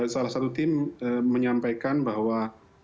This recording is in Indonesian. salah satu tim menyampaikan bahwa